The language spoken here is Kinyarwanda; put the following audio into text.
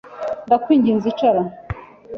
"Ndakwinginze, icara".